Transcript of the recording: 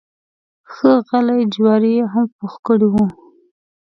ښه غلي جواري یې هم پوخ کړی و.